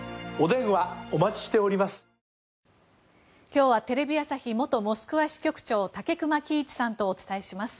今日はテレビ朝日元モスクワ支局長武隈喜一さんとお伝えします。